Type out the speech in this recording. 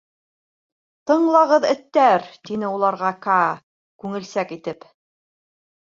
Тыңлағыҙ, эттәр! — тине уларға Каа, күңелсәк итеп.